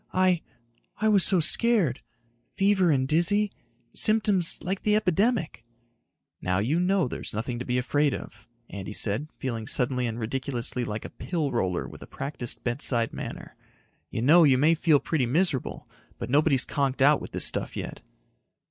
I ... I was so scared. Fever and dizzy ... symptoms like the epidemic." "Now you know there's nothing to be afraid of," Andy said, feeling suddenly and ridiculously like a pill roller with a practiced bedside manner. "You know you may feel pretty miserable, but nobody's conked out with this stuff yet."